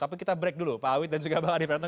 tapi kita break dulu pak awid dan juga bang adi pratno